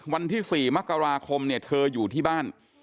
วันที่๔มกราคมเนี่ยเธออยู่ที่บ้าน